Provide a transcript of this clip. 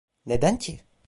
Neden ki?